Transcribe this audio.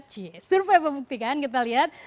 ciee survei membuktikan kita lihat